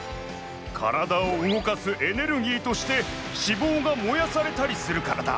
カラダをうごかすエネルギーとして脂肪がもやされたりするからだ。